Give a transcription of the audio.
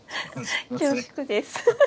恐縮です。